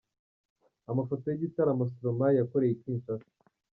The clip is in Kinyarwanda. Amafoto y’igitaramo Stromae yakoreye i Kinshasa.